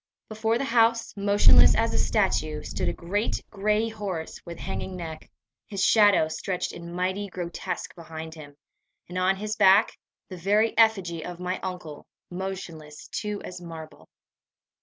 Before the house, motionless as a statue, stood a great gray horse with hanging neck, his shadow stretched in mighty grotesque behind him, and on his back the very effigy of my uncle, motionless too as marble.